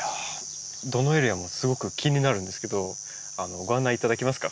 どのエリアもすごく気になるんですけどご案内いただけますか？